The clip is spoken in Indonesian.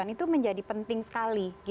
itu menjadi penting sekali